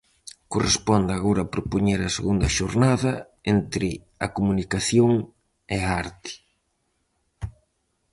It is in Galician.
Corresponde agora propoñer a segunda xornada, Entre a Comunicación e a Arte.